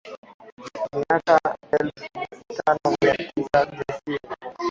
katika miaka ya elfu moja mia tisa sitini